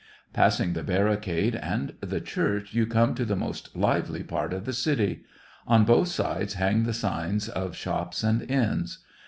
Passing the barricade and the church, you come to the most lively part of the city. On both sides hang the signs of shops and inns.